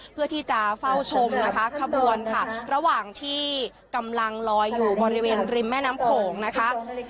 เพื่อที่จะเฝ้าชมนะคะขบวนค่ะระหว่างที่กำลังลอยอยู่บริเวณริมแม่น้ำโขงนะคะ